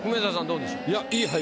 どうでしょう？